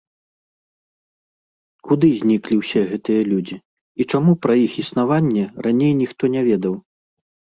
Куды зніклі ўсе гэтыя людзі, і чаму пра іх існаванне раней ніхто не ведаў?